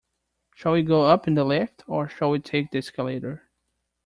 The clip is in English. Shall we go up in the lift, or shall we take the escalator?